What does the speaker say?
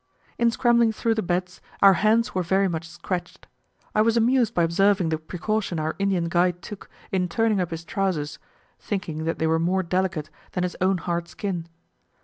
In scrambling through the beds, our hands were very much scratched. I was amused by observing the precaution our Indian guide took, in turning up his trousers, thinking that they were more delicate than his own hard skin.